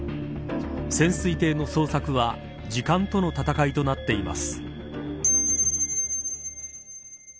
潜水艇の捜索は時間との闘いとなっています。